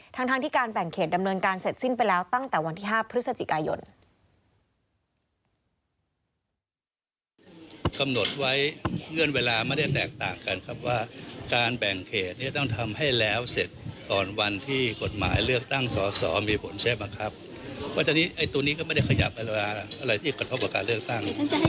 ทั้งที่การแบ่งเขตดำเนินการเสร็จสิ้นไปแล้วตั้งแต่วันที่๕พฤศจิกายน